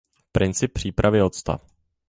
Princip přípravy octa.